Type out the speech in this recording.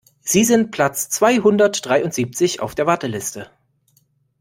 Sie sind Platz zweihundertdreiundsiebzig auf der Warteliste.